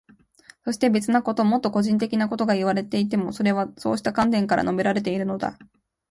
そして、別なこと、もっと個人的なことがいわれていても、それはそうした観点から述べられているのだ。